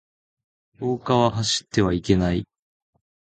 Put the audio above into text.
廊下は走ってはいけない。